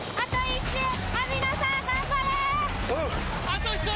あと１人！